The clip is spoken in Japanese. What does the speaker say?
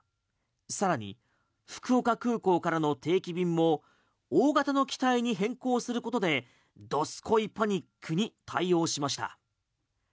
さらに福岡空港からの定期便も大型の機体に変更することでどすこいパニックに対応しました。